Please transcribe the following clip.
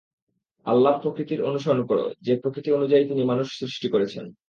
আল্লাহর প্রকৃতির অনুসরণ কর, যে প্রকৃতি অনুযায়ী তিনি মানুষ সৃষ্টি করেছেন।